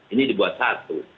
ini dibuat satu